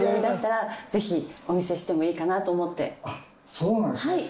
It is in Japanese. そうなんですね。